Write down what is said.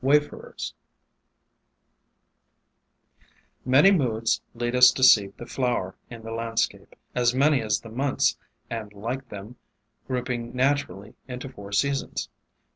X WAYFARERS MANY moods lead us to seek the flower in the landscape; as many as the months, and like them, grouping naturally into four seasons.